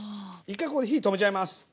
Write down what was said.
一回ここで火止めちゃいます。